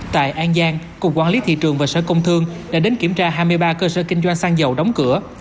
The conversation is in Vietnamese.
tại an giang cục quản lý thị trường và sở công thương đã đến kiểm tra hai mươi ba cơ sở kinh doanh xăng dầu đóng cửa